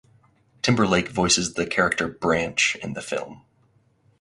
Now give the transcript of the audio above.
Timberlake voices the character "Branch" in the film.